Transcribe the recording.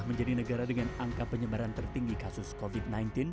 menjadi negara dengan angka penyebaran tertinggi kasus covid sembilan belas